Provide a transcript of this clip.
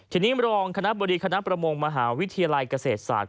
ทีนี้รองคณะบดีคณะประมงมหาวิทยาลัยเกษตรศาสตร์